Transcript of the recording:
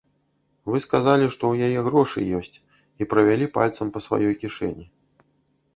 Вы сказалі, што ў яе грошы ёсць, і правялі пальцам па сваёй кішэні.